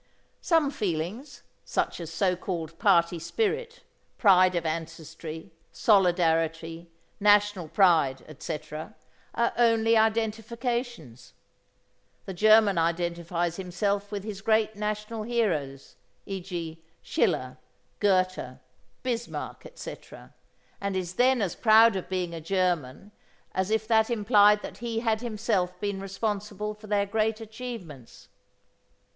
Some feelings, such as so called party spirit, pride of ancestry, solidarity, national pride, etc., are only identifications. The German identifies himself with his great national heroes, e.g., Schiller, Goethe, Bismarck, etc., and is then as proud of being a German as if that implied that he had himself been responsible for their great achievements.